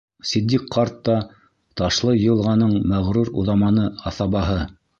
Ситдиҡ ҡарт та -Ташлыйылғаның мәғрур уҙаманы, аҫабаһы.